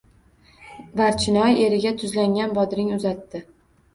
Barchinoy eriga tuzlangan bodring uzatdi.